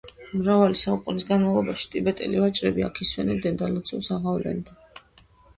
მრავალი საუკუნის განმავლობაში, ტიბეტელი ვაჭრები აქ ისვენებდნენ და ლოცვებს აღავლენდნენ.